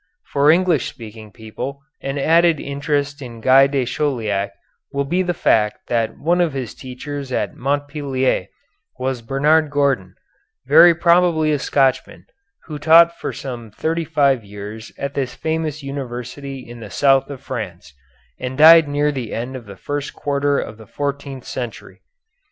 For English speaking people an added interest in Guy de Chauliac will be the fact that one of his teachers at Montpellier was Bernard Gordon, very probably a Scotchman, who taught for some thirty five years at this famous university in the south of France, and died near the end of the first quarter of the fourteenth century.